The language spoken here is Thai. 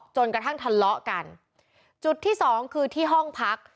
จนกระทั่งทะเลาะกันจุดที่สองคือที่ห้องพัก